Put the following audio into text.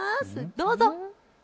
どうぞ。